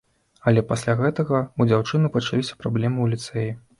Але пасля гэтага ў дзяўчыны пачаліся праблемы ў ліцэі.